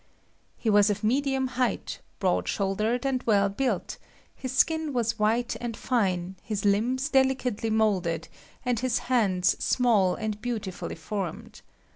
He was of medium height, broad shouldered, and well built; his skin was white and fine, his limbs delicately moulded, and his hands small and beautifully formed.